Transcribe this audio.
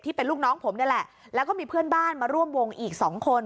เป็นลูกน้องผมนี่แหละแล้วก็มีเพื่อนบ้านมาร่วมวงอีกสองคน